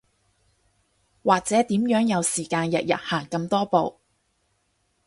或者點樣有時間日日行咁多步